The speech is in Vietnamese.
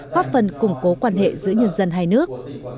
góp phần củng cố quan hệ giữa nhân dân hai nước